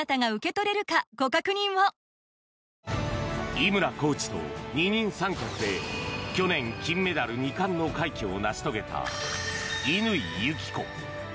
井村コーチと二人三脚で去年、金メダル２冠の快挙を成し遂げた乾友紀子。